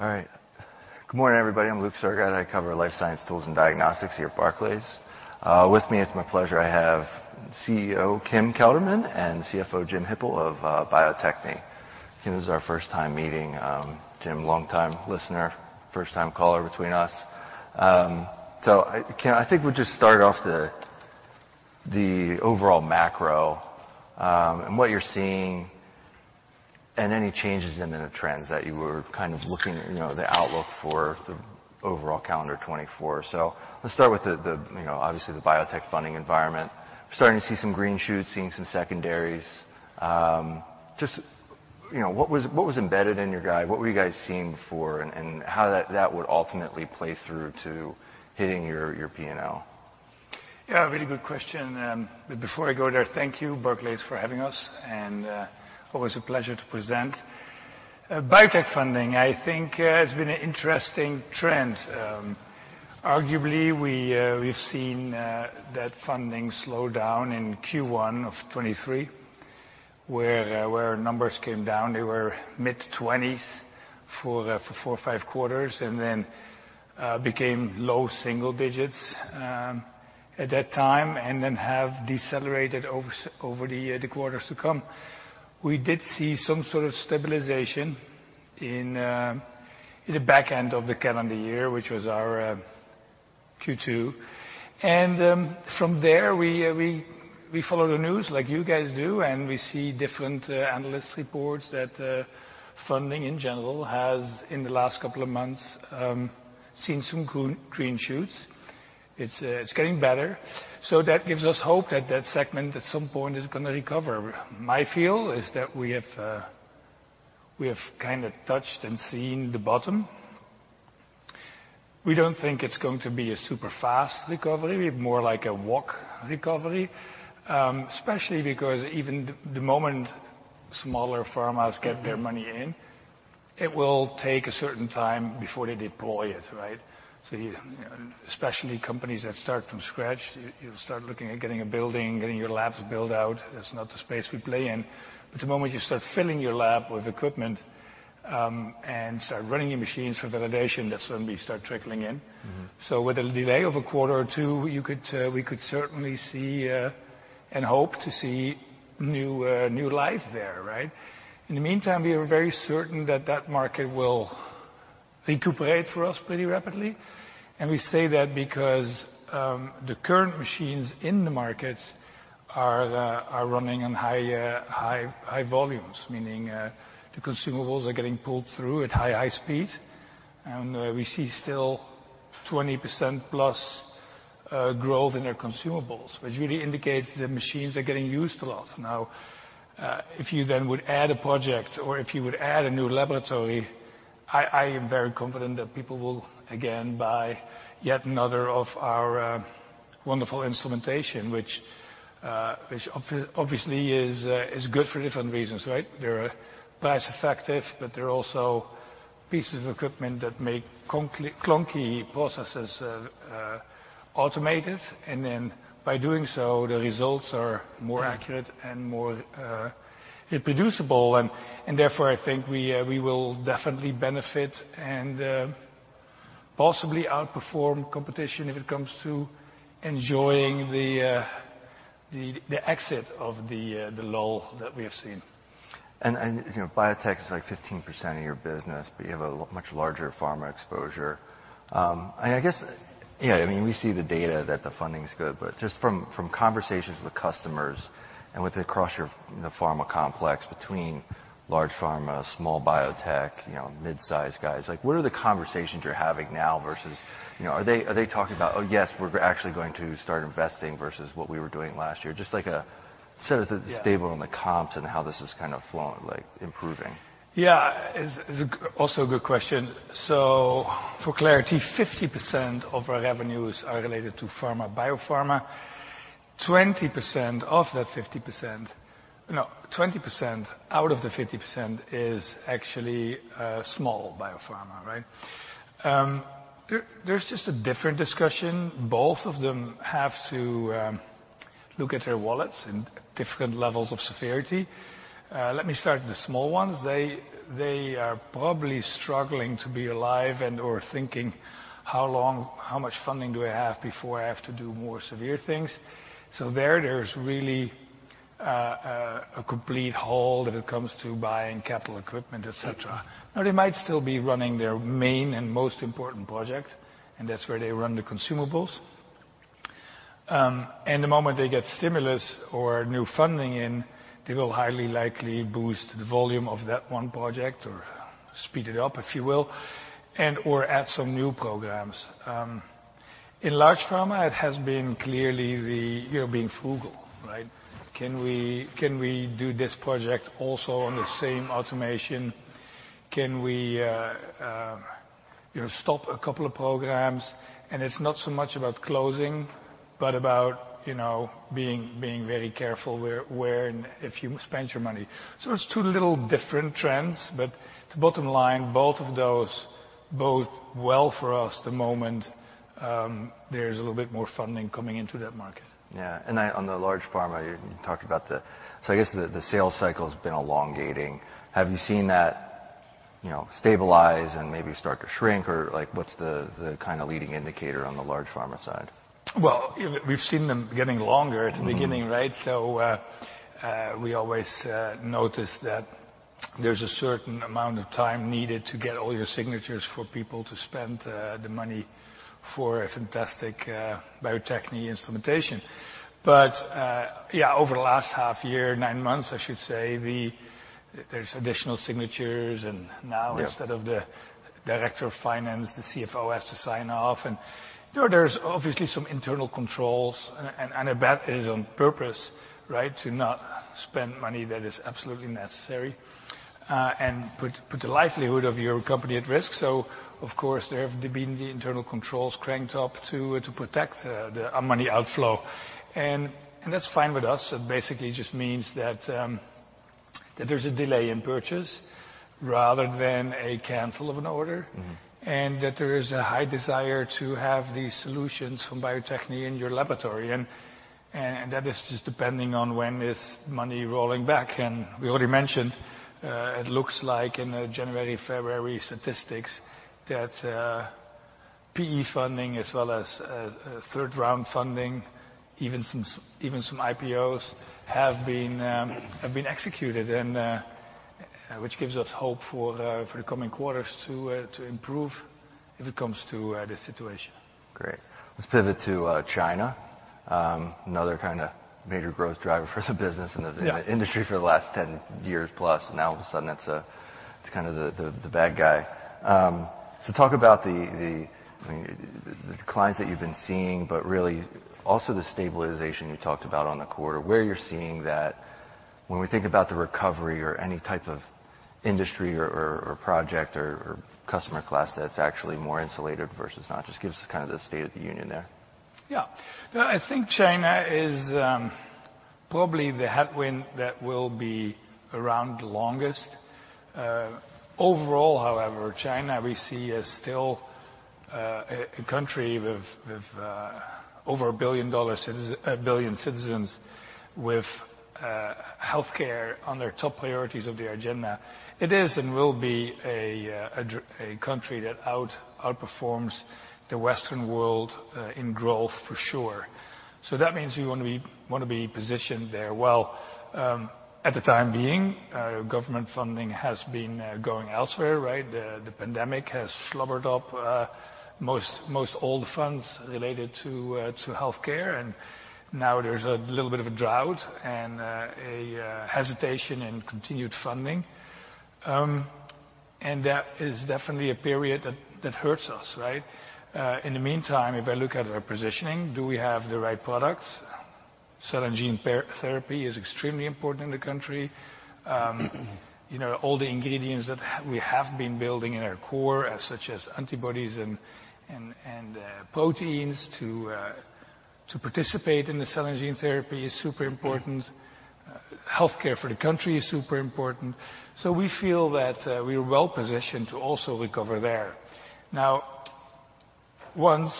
All right. Good morning, everybody. I'm Luke Sergott. I cover life science tools and diagnostics here at Barclays. With me, it's my pleasure, I have CEO Kim Kelderman and CFO Jim Hippel of Bio-Techne. Kim, this is our first time meeting. Jim, longtime listener, first-time caller between us. So, Kim, I think we'll just start off the overall macro and what you're seeing, and any changes in the trends that you were kind of looking, you know, the outlook for the overall calendar 2024. So let's start with the, you know, obviously, the biotech funding environment. We're starting to see some green shoots, seeing some secondaries. Just, you know, what was embedded in your guide? What were you guys seeing for, and how that would ultimately play through to hitting your P&L? Yeah, a really good question. But before I go there, thank you, Barclays, for having us, and always a pleasure to present. Biotech funding, I think, has been an interesting trend. Arguably, we've seen that funding slow down in Q1 of 2023, where numbers came down. They were mid-twenties for four or five quarters, and then became low single digits at that time, and then have decelerated over the quarters to come. We did see some sort of stabilization in the back end of the calendar year, which was our Q2. From there, we follow the news like you guys do, and we see different analyst reports that funding, in general, has, in the last couple of months, seen some green shoots. It's getting better. So that gives us hope that that segment, at some point, is gonna recover. My feel is that we have kind of touched and seen the bottom. We don't think it's going to be a super fast recovery, we have more like a walk recovery. Especially because even the moment smaller pharmas get their money in, it will take a certain time before they deploy it, right? So you, especially companies that start from scratch, you'll start looking at getting a building, getting your labs built out. That's not the space we play in. But the moment you start filling your lab with equipment, and start running your machines for validation, that's when we start trickling in. Mm-hmm. So with a delay of a quarter or two, you could, we could certainly see, and hope to see new life there, right? In the meantime, we are very certain that that market will recuperate for us pretty rapidly. And we say that because, the current machines in the markets are running on high volumes, meaning, the consumables are getting pulled through at high speed. And, we see still 20%+ growth in their consumables, which really indicates the machines are getting used a lot. Now, if you then would add a project, or if you would add a new laboratory, I am very confident that people will, again, buy yet another of our wonderful instrumentation, which obviously is good for different reasons, right? They're price effective, but they're also pieces of equipment that make clunk, clunky processes automated, and then by doing so, the results are more accurate and more reproducible. And therefore, I think we will definitely benefit and possibly outperform competition if it comes to enjoying the exit of the lull that we have seen. And you know, biotech is like 15% of your business, but you have a much larger pharma exposure. And I guess... Yeah, I mean, we see the data that the funding is good, but just from conversations with customers and across your, you know, pharma complex, between large pharma, small biotech, you know, mid-sized guys, like, what are the conversations you're having now versus, you know... Are they talking about, "Oh, yes, we're actually going to start investing versus what we were doing last year?" Just like a set of the- Yeah... stable on the comps and how this is kind of flowing, like improving. Yeah. It's also a good question. So for clarity, 50% of our revenues are related to pharma, biopharma. 20% of that 50%... No, 20% out of the 50% is actually small biopharma, right? There's just a different discussion. Both of them have to look at their wallets in different levels of severity. Let me start with the small ones. They are probably struggling to be alive or thinking, "How long—how much funding do I have before I have to do more severe things?" So there's really a complete halt when it comes to buying capital equipment, et cetera. Now, they might still be running their main and most important project, and that's where they run the consumables. And the moment they get stimulus or new funding in, they will highly likely boost the volume of that one project or speed it up, if you will, and/or add some new programs. In large pharma, it has been clearly the, you know, being frugal, right? "Can we, can we do this project also on the same automation? Can we, you know, stop a couple of programs?" And it's not so much about closing, but about, you know, being, being very careful where, where and if you spend your money. So it's two little different trends, but the bottom line, both of those bode well for us the moment there's a little bit more funding coming into that market. Yeah. And on the large pharma, you talked about the. So I guess the sales cycle has been elongating. Have you seen that? You know, stabilize and maybe start to shrink? Or, like, what's the kind of leading indicator on the large pharma side? Well, we've seen them getting longer at the beginning, right? Mm-hmm. We always notice that there's a certain amount of time needed to get all your signatures for people to spend the money for a fantastic Bio-Techne instrumentation. Yeah, over the last half year, nine months, I should say, there's additional signatures, and now- Yep... instead of the director of finance, the CFO has to sign off, and, you know, there's obviously some internal controls, and I bet it is on purpose, right? To not spend money that is absolutely necessary, and put the livelihood of your company at risk. So of course, there have been the internal controls cranked up to protect our money outflow. And that's fine with us. It basically just means that there's a delay in purchase rather than a cancel of an order. Mm-hmm. That there is a high desire to have these solutions from Bio-Techne in your laboratory, and that is just depending on when is money rolling back. And we already mentioned, it looks like in the January, February statistics, that PE funding as well as third round funding, even some IPOs, have been executed, and which gives us hope for the coming quarters to improve if it comes to the situation. Great. Let's pivot to China, another kind of major growth driver for the business and the- Yeah... industry for the last 10 years plus, now all of a sudden it's kind of the bad guy. So talk about the declines that you've been seeing, but really also the stabilization you talked about on the quarter, where you're seeing that when we think about the recovery or any type of industry or project or customer class that's actually more insulated versus not. Just give us kind of the state of the union there. Yeah. I think China is probably the headwind that will be around the longest. Overall, however, China, we see, is still a country with over 1 billion citizens, with healthcare on their top priorities of their agenda. It is and will be a country that outperforms the Western world in growth, for sure. So that means we want to be positioned there. Well, at the time being, government funding has been going elsewhere, right? The pandemic has slobbered up most old funds related to healthcare, and now there's a little bit of a drought and a hesitation in continued funding. And that is definitely a period that hurts us, right? In the meantime, if I look at our positioning, do we have the right products? Cell and gene therapy is extremely important in the country. You know, all the ingredients that we have been building in our core, such as antibodies and proteins to participate in the cell and gene therapy is super important. Healthcare for the country is super important. So we feel that we are well positioned to also recover there. Now, once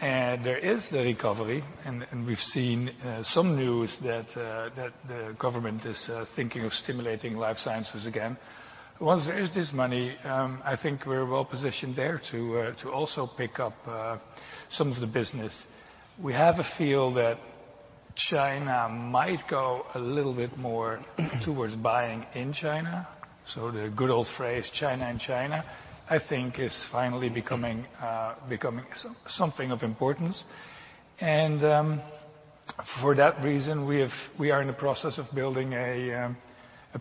there is the recovery, and we've seen some news that the government is thinking of stimulating life sciences again. Once there is this money, I think we're well positioned there to also pick up some of the business. We have a feel that China might go a little bit more towards buying in China. So the good old phrase, China in China, I think is finally becoming something of importance. And, for that reason, we are in the process of building a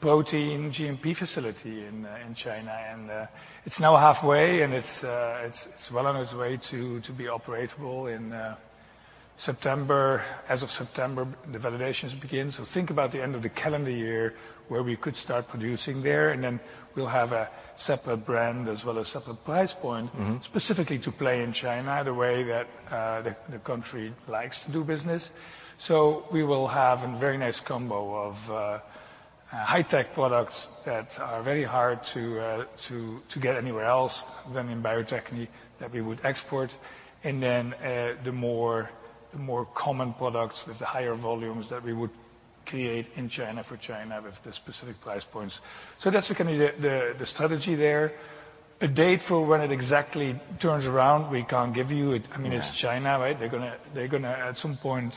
protein GMP facility in China, and it's now halfway, and it's well on its way to be operational in September. As of September, the validations begin. So think about the end of the calendar year, where we could start producing there, and then we'll have a separate brand as well as separate price point. Mm-hmm... specifically to play in China, the way that the country likes to do business. So we will have a very nice combo of high-tech products that are very hard to get anywhere else than in Bio-Techne, that we would export, and then the more common products with the higher volumes that we would create in China for China with the specific price points. So that's kinda the strategy there. A date for when it exactly turns around, we can't give you. It- Yeah... I mean, it's China, right? They're gonna at some point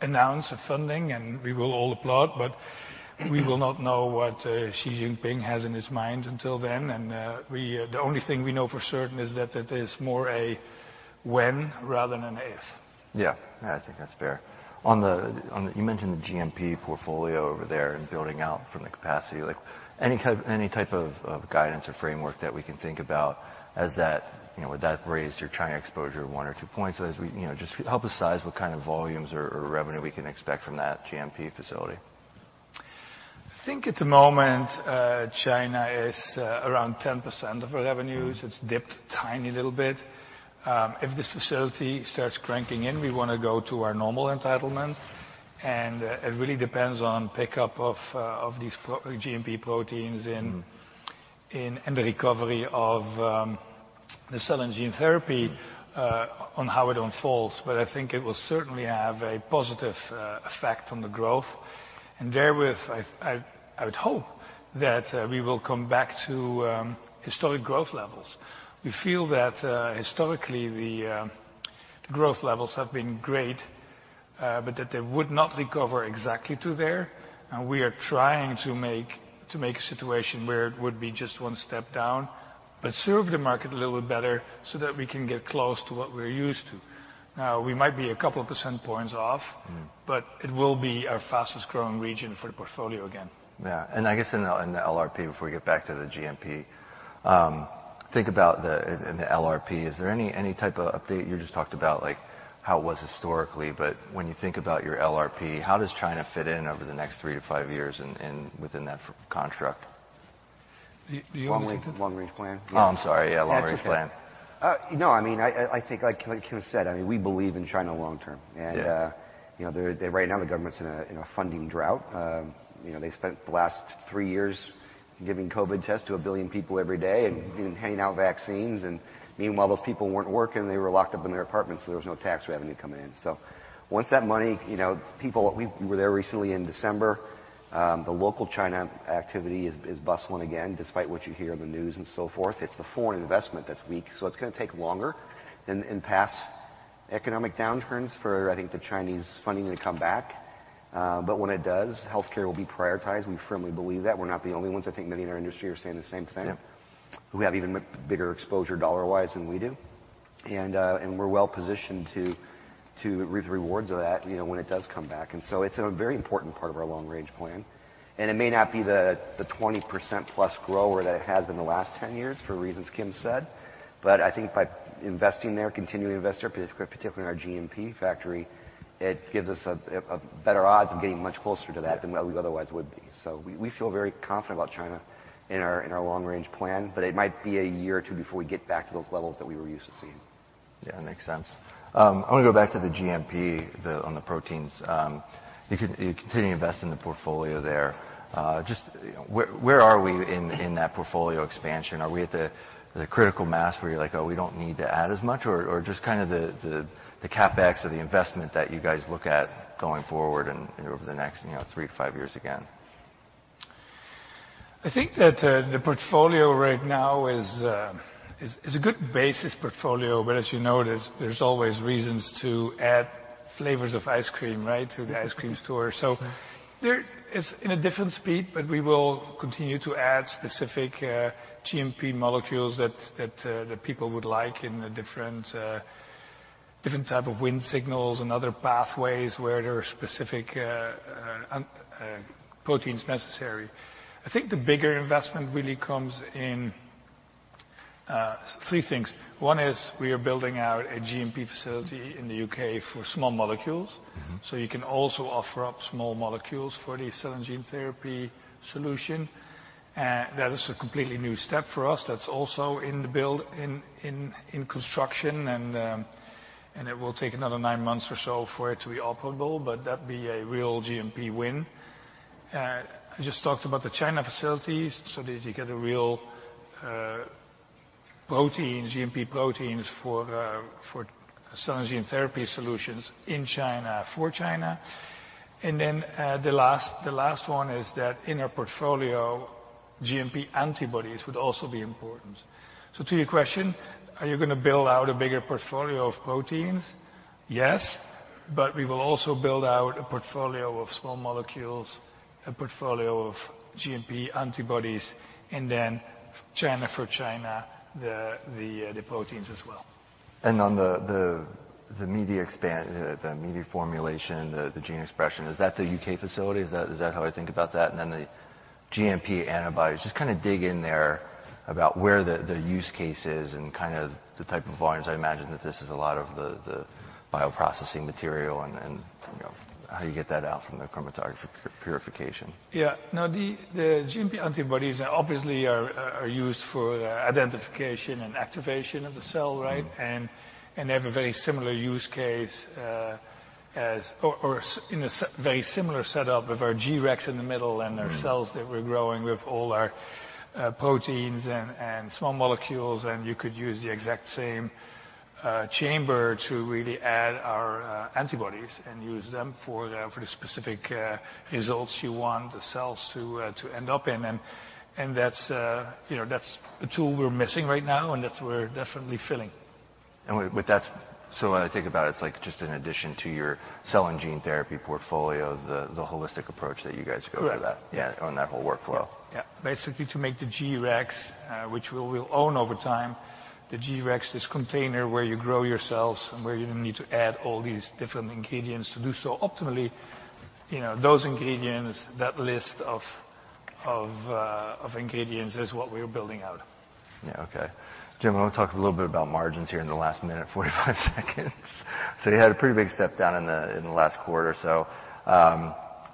announce a funding, and we will all applaud, but we will not know what Xi Jinping has in his mind until then. And we, the only thing we know for certain is that it is more a when rather than an if. Yeah, I think that's fair. On the, you mentioned the GMP portfolio over there and building out from the capacity. Like, any type of guidance or framework that we can think about as that, you know, would that raise your China exposure one or two points? So as we... You know, just help us size what kind of volumes or revenue we can expect from that GMP facility. I think at the moment, China is around 10% of our revenues. Mm-hmm. It's dipped a tiny little bit. If this facility starts cranking in, we wanna go to our normal entitlement, and it really depends on pickup of these protein GMP proteins in- Mm... in the recovery of the cell and gene therapy on how it unfolds, but I think it will certainly have a positive effect on the growth. And therewith, I would hope that we will come back to historic growth levels. We feel that historically the growth levels have been great, but that they would not recover exactly to there. And we are trying to make a situation where it would be just one step down, but serve the market a little bit better, so that we can get close to what we're used to. Now, we might be a couple of percent points off- Mm-hmm. But it will be our fastest growing region for the portfolio again. Yeah, and I guess in the LRP, before we get back to the GMP, think about the—in the LRP, is there any type of update? You just talked about, like, how it was historically, but when you think about your LRP, how does China fit in over the next three to five years within that contract? Do you want me to- Long-range plan? Oh, I'm sorry, yeah, long-range plan. That's okay. No, I mean, I think like Kim said, I mean, we believe in China long term. Yeah. You know, they're right now the government's in a funding drought. You know, they spent the last 3 years giving COVID tests to 1 billion people every day and giving, handing out vaccines, and meanwhile, those people weren't working. They were locked up in their apartments, so there was no tax revenue coming in. So once that money, you know, people... We were there recently in December, the local Chinese activity is bustling again, despite what you hear in the news and so forth. It's the foreign investment that's weak, so it's gonna take longer in past economic downturns for, I think, the Chinese funding to come back. But when it does, healthcare will be prioritized. We firmly believe that. We're not the only ones. I think many in our industry are saying the same thing. Yeah. Who have even bigger exposure dollar-wise than we do. And, and we're well positioned to reap the rewards of that, you know, when it does come back. And so it's a very important part of our long-range plan, and it may not be the twenty percent plus grower that it has been the last 10 years for reasons Kim said, but I think by investing there, continuing to invest there, particularly in our GMP factory, it gives us a better odds of getting much closer to that than we otherwise would be. So we feel very confident about China in our long-range plan, but it might be a year or two before we get back to those levels that we were used to seeing. Yeah, it makes sense. I want to go back to the GMP, the on the proteins. You continue to invest in the portfolio there. Just where are we in that portfolio expansion? Are we at the critical mass, where you're like: Oh, we don't need to add as much, or just kind of the CapEx or the investment that you guys look at going forward and over the next, you know, three to five years again? I think that the portfolio right now is a good basis portfolio, but as you noticed, there's always reasons to add flavors of ice cream, right, to the ice cream store. So there is, in a different speed, but we will continue to add specific GMP molecules that the people would like in the different different type of Wnt signals and other pathways where there are specific proteins necessary. I think the bigger investment really comes in three things. One is we are building out a GMP facility in the U.K. for small molecules. Mm-hmm. So you can also offer up small molecules for the cell and gene therapy solution. That is a completely new step for us. That's also in the build, in construction, and it will take another nine months or so for it to be operable, but that'd be a real GMP win. I just talked about the China facilities, so that you get a real protein, GMP proteins for cell and gene therapy solutions in China, for China. And then, the last one is that in our portfolio, GMP antibodies would also be important. So to your question, are you gonna build out a bigger portfolio of proteins? Yes, but we will also build out a portfolio of small molecules, a portfolio of GMP antibodies, and then China, for China, the proteins as well. On the media expansion, the media formulation, the gene expression, is that the U.K. facility? Is that how I think about that? And then the GMP antibodies, just kind of dig in there about where the use case is and kind of the type of volumes. I imagine that this is a lot of the bioprocessing material and, you know, how you get that out from the chromatography purification. Yeah. Now, the GMP antibodies obviously are used for identification and activation of the cell, right? Mm-hmm. They have a very similar use case, or in a very similar setup with our G-Rex in the middle- Mm-hmm And our cells that we're growing with all our proteins and small molecules, and you could use the exact same chamber to really add our antibodies and use them for the specific results you want the cells to end up in. And that's, you know, that's a tool we're missing right now, and that's we're definitely filling. And with that... So when I think about it, it's like just an addition to your cell and gene therapy portfolio, the holistic approach that you guys go through that... Correct. Yeah, on that whole workflow. Yeah. Basically, to make the G-Rex, which we will own over time, the G-Rex, this container where you grow your cells and where you need to add all these different ingredients to do so. Optimally, you know, those ingredients, that list of ingredients is what we're building out. Yeah, okay. Jim, I want to talk a little bit about margins here in the last minute, 45 seconds. So you had a pretty big step down in the last quarter or so.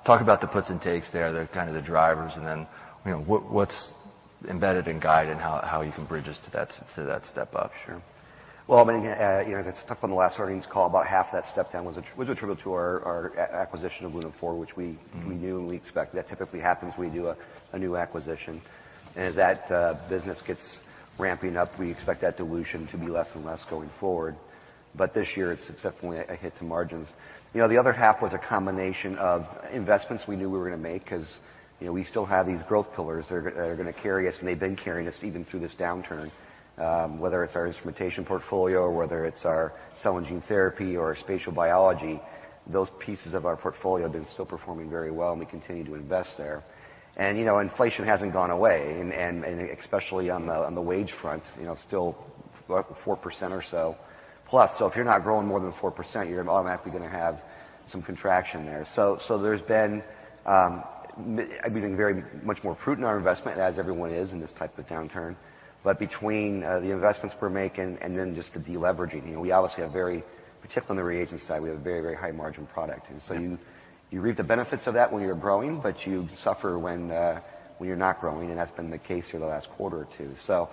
Talk about the puts and takes there, the kind of drivers, and then, you know, what's embedded in guide and how you can bridge us to that, to that step up? Sure. ...Well, I mean, you know, as I talked on the last earnings call, about half that step down was attributable to our acquisition of Lunaphore, which we knew and we expected. That typically happens when we do a new acquisition. And as that business gets ramping up, we expect that dilution to be less and less going forward. But this year, it's definitely a hit to margins. You know, the other half was a combination of investments we knew we were going to make because, you know, we still have these growth pillars that are going to carry us, and they've been carrying us even through this downturn. Whether it's our instrumentation portfolio, or whether it's our cell and gene therapy or spatial biology, those pieces of our portfolio have been still performing very well, and we continue to invest there. And, you know, inflation hasn't gone away, and especially on the wage front, you know, still 4% or so plus. So if you're not growing more than 4%, you're automatically going to have some contraction there. I've been very much more prudent in our investment, as everyone is in this type of downturn. But between the investments we're making and then just the deleveraging, you know, we obviously have very, particularly on the reagent side, we have a very, very high margin product. And so you reap the benefits of that when you're growing, but you suffer when you're not growing, and that's been the case here the last quarter or two. So,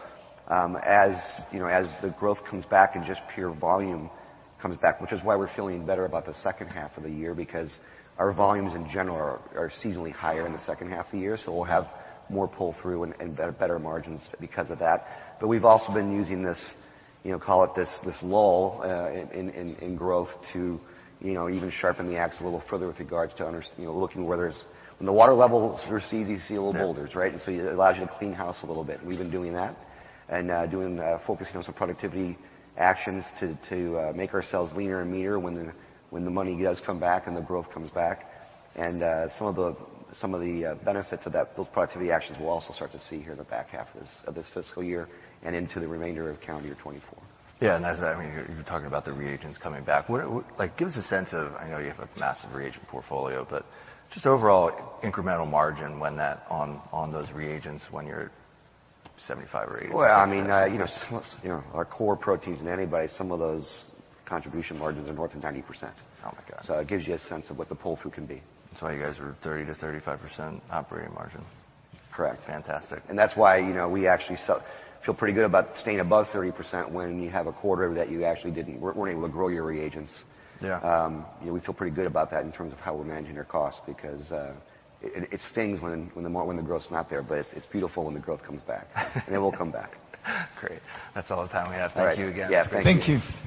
you know, as the growth comes back and just pure volume comes back, which is why we're feeling better about the second half of the year, because our volumes in general are seasonally higher in the second half of the year. So we'll have more pull-through and better margins because of that. But we've also been using this, you know, call it this lull in growth to, you know, even sharpen the ax a little further with regards to under—you know, looking whether it's... When the water levels recede, you see little boulders, right? Yeah. And so it allows you to clean house a little bit. We've been doing that and focusing on some productivity actions to make ourselves leaner and meaner when the money does come back and the growth comes back. And some of the benefits of that, those productivity actions we'll also start to see here in the back half of this fiscal year and into the remainder of calendar 2024. Yeah, and as, I mean, you're talking about the reagents coming back. What it—like, give us a sense of... I know you have a massive reagent portfolio, but just overall incremental margin when that, on, on those reagents, when you're at 75 or 80? Well, I mean, you know, so, you know, our core proteins and antibodies, some of those contribution margins are north of 90%. Oh, my God! It gives you a sense of what the pull-through can be. That's why you guys are 30%-35% operating margin. Correct. Fantastic. That's why, you know, we actually feel pretty good about staying above 30% when you have a quarter that you actually weren't able to grow your reagents. Yeah. You know, we feel pretty good about that in terms of how we're managing our costs because it stings when the growth's not there, but it's beautiful when the growth comes back. It will come back. Great. That's all the time we have. All right. Thank you again. Yeah, thank you.